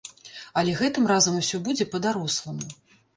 Але гэтым разам усё будзе па-даросламу.